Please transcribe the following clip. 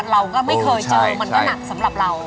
เราก็ไม่เคยเจอมันก็หนักสำหรับเรา